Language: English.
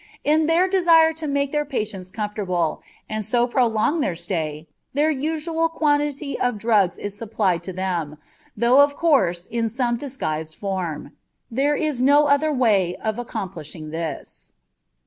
In their desire to make their patients comfortable, and so prolong their stay, their usual quantity of drugs is supplied to them, though of course in some disguised form. There is no other way of accomplishing this.